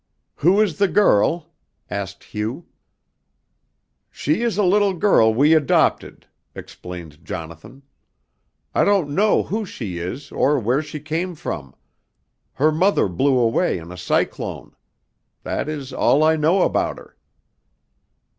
"Who is the girl?" asked Hugh. "She is a little girl we adopted," explained Jonathan. "I don't know who she is or where she came from. Her mother blew away in a cyclone. That is all I know about her."